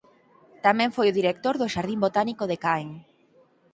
Tamén foi o director do Xardín botánico de Caen.